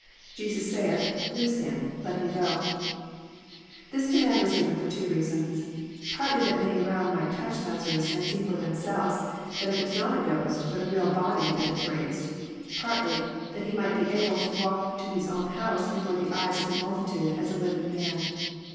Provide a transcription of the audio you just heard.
[Jesus saith...Loose him...let him go.2 This command was given for two reasons : partly that many around might touch Lazarus and see for themselves that it was not a ghost, but a real body that was raised; partly that he might be able to walk to his own house before the eyes of the multitude as a living man.